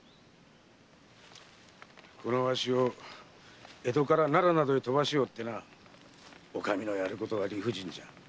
このわしを江戸から奈良などへ飛ばしおってお上のやることは理不尽じゃ。